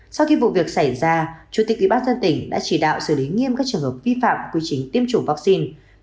sau khi vụ việc xảy ra chủ tịch ủy ban dân tỉnh đã chỉ đạo xử lý nghiêm các trường hợp vi phạm quy trình tiêm chủng vaccine